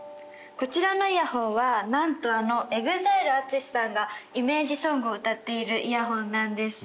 こちらのイヤホンはなんとあのＥＸＩＬＥＡＴＳＵＳＨＩさんがイメージソングを歌っているイヤホンなんです